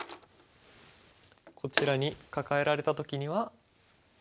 こちらにカカえられた時には？